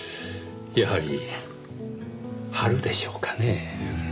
やはり春でしょうかねぇ。